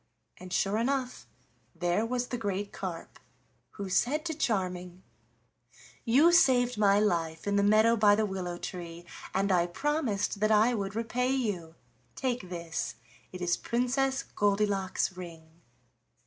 And sure enough there was the great carp, who said to Charming: "You saved my life in the meadow by the willow tree, and I promised that I would repay you. Take this, it is Princess Goldilock's ring."